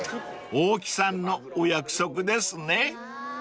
［大木さんのお約束ですね］